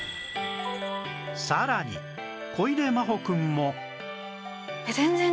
さらに小出真保くんも